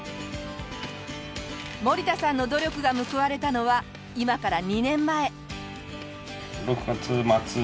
森田さんの努力が報われたのは今から２年前。